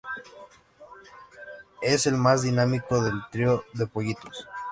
Es el más dinámico del trío de pollitos.